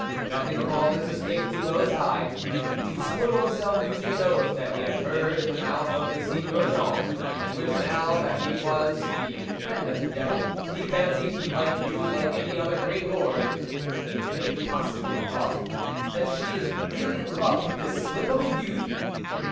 Nothing of all this escaped Thibault's eye. He swore to himself, using an oath that he had heard in the mouth of the Seigneur Jean, and which, now that he was the friend of the devil, he fancied he might use like any other great lord :" Can it be possible," he thought, " that she is really in love with this slip of a youth